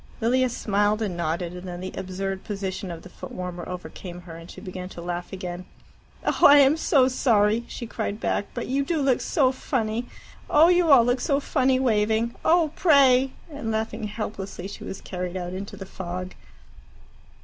Lilia smiled and nodded, and then the absurd position of the foot warmer overcame her, and she began to laugh again. "Oh, I am so sorry," she cried back, "but you do look so funny. Oh, you all look so funny waving! Oh, pray!" And laughing helplessly, she was carried out into the fog.